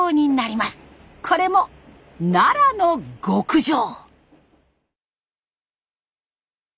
これも奈良の極上。